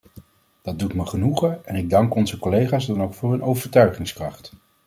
Dat doet me genoegen en ik dank onze collega's dan ook voor hun overtuigingskracht.